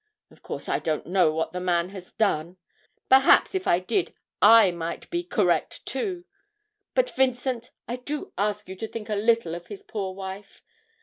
Of course, I don't know what the man has done; perhaps if I did I might be "correct" too. But, Vincent, I do ask you to think a little of his poor wife.